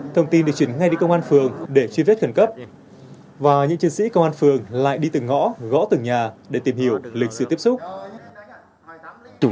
thông tin được chuyển ngay đến công an